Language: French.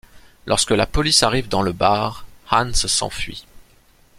Lorsque la police arrive dans le bar, Hans s'enfuit.